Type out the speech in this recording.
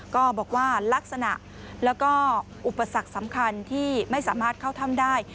ก็บอกว่าลักษณะแล้วก็อุปสรรคสำคัญที่ไม่สามารถเข้าถ้ำได้